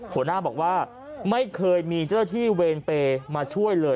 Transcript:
หัวหน้าบอกว่าไม่เคยมีเจ้าหน้าที่เวรเปย์มาช่วยเลย